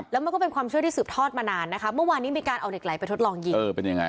แล้วมันก็เป็นความเชื่อที่สืบทอดมานานนะคะเมื่อวานนี้มีการเอาเหล็กไหลไปทดลองยิงเออเป็นยังไง